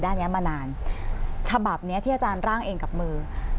นี้มานานฉบับนี้ที่อาจารย์ร่างเองกับมือ